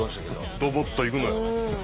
ドボッといくのよ。